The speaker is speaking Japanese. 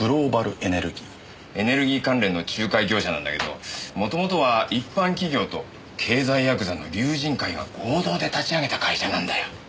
エネルギー関連の仲介業者なんだけどもともとは一般企業と経済やくざの龍神会が合同で立ち上げた会社なんだよ。